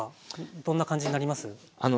どんな感じになります？